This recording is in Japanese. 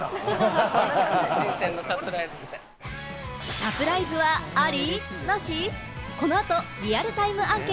サプライズはあり？